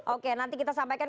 oke nanti kita sampaikan